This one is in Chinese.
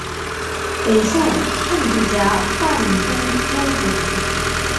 北宋政治家范仲淹子侄。